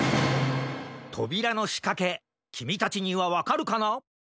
とびらのしかけきみたちにはわかるかな？